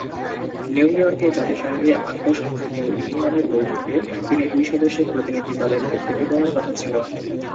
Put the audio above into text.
New ইয়র্কে জাতিসংঘে আন্তঃ সংসদীয় ইউনিয়নের বৈঠকে তিনি দুই সদস্যের প্রতিনিধি দলের নেতৃত্ব দেওয়ার কথা ছিল।